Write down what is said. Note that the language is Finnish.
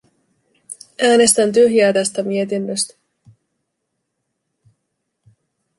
Äänestän tyhjää tästä mietinnöstä.